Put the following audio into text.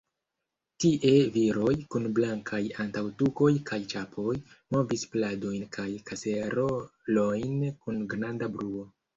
Tie viroj, kun blankaj antaŭtukoj kaj ĉapoj, movis pladojn kaj kaserolojn kun granda bruo.